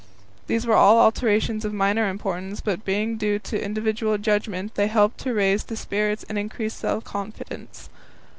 These were all alterations of minor importance, but being due to individual judgment, they helped to raise the spirits and increase self confidence.